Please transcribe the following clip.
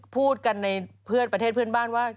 พูดกันในเพื่อนประเทศเพื่อนบ้านว่า